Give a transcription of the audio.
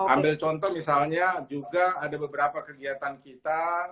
ambil contoh misalnya juga ada beberapa kegiatan kita